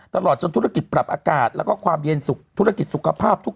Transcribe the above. ตลอดจนธุรกิจปรับอากาศแล้วก็ความเย็นสุขธุรกิจสุขภาพทุก